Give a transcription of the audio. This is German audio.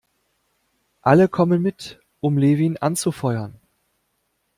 Alle kommen mit, um Levin anzufeuern.